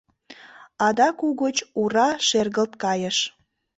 Адак угыч «ура» шергылт кайыш.